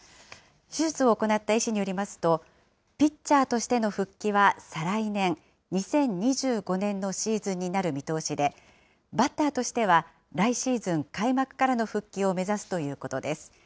手術を行った医師によりますと、ピッチャーとしての復帰は再来年・２０２５年のシーズンになる見通しで、バッターとしては来シーズン開幕からの復帰を目指すということです。